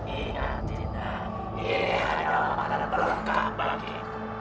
ingat dina ini hanya makanan berangkat bagiku